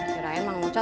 kira emang mau cetau